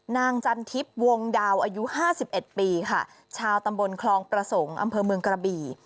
นางจันทิพย์วงดาวอายุ๕๑ปีค่ะชาวตำบลคลองประสงค์อำเภอเมืองกระบี่